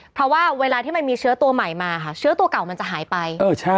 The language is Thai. เพราะว่าเวลาที่มันมีเชื้อตัวใหม่มาค่ะเชื้อตัวเก่ามันจะหายไป